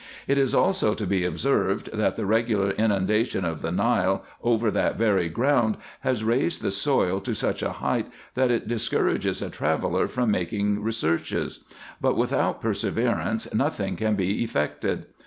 It is also to be observed, that the regular inundation of the Nile over that very ground has raised the soil to such a height, that it discourages a traveller from making re searches ; but without perseverance nothing can be effected.